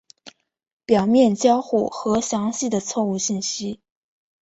表面交互和详细的错误信息。